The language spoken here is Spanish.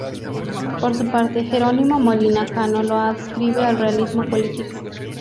Por su parte, Jerónimo Molina Cano lo adscribe al realismo político.